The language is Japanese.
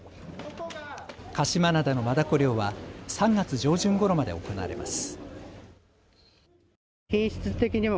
鹿島灘のマダコ漁は３月上旬ごろまで行われます。